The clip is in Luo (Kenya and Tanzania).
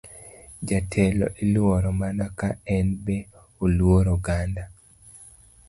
Jatelo iluoro mana ka en be oluoro oganda.